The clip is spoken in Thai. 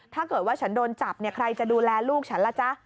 ถ้าเกิดว่าฉันโดนจับเนี่ยใครจะดูแลลูกฉันล่ะจ๊ะ